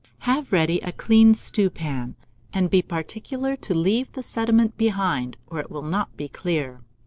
Have ready a clean stewpan, put in the jelly, and be particular to leave the sediment behind, or it will not be clear.